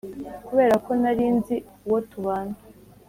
kubera ko nari nzi uwo tubana,